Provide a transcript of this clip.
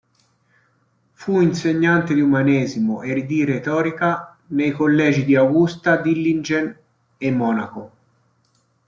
Fu insegnante di umanesimo e di retorica nei collegi di Augusta, Dillingen e Monaco.